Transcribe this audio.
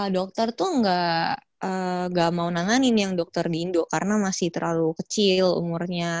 dokter tuh gak mau nanganin yang dokter dindo karena masih terlalu kecil umurnya